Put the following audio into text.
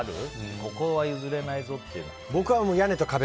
ここは譲れないぞっていうの。